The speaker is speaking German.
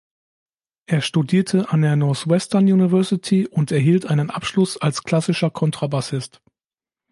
Er studierte an der Northwestern University und erhielt einen Abschluss als klassischer Kontrabassist.